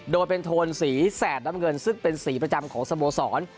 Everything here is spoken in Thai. โดยเป็นโทนสีแสดน้ำเงินซึ่งเป็นสีประจำของสโมสร